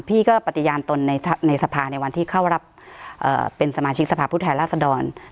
พี่ก็ปฏิญาณตนในสภาในวันที่เข้ารับเป็นสมาชิกสภาพผู้แทนราษดร